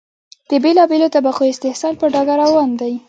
د بېلا بېلو طبقو استحصال په ډاګه روان دی.